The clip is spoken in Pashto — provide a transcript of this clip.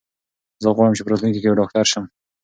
زه غواړم چې په راتلونکي کې یو ډاکټر شم.